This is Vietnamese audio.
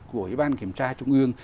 của bàn kiểm tra trung ương